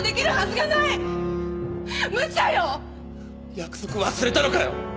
約束忘れたのかよ！